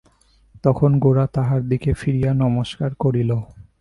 তখন গোরা তাঁহার দিকে ফিরিয়া নমস্কার করিল।